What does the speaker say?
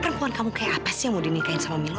perempuan kamu kayak apa sih yang mau dinikain sama milo